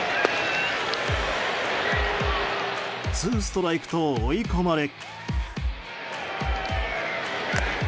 ツーストライクと追い込まれ。